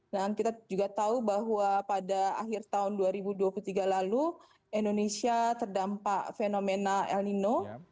dan kita juga tahu bahwa pada akhir tahun dua ribu dua puluh tiga lalu indonesia terdampak fenomena el nino